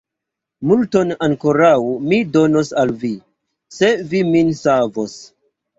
Multon ankoraŭ mi donos al vi, se vi min savos!